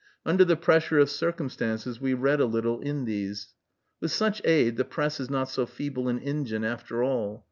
Under the pressure of circumstances, we read a little in these. With such aid, the press is not so feeble an engine, after all.